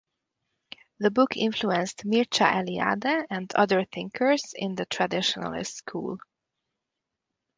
The book influenced Mircea Eliade and other thinkers in the Traditionalist school.